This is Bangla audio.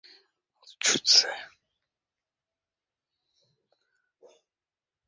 আম্মি, কি হয়েছে?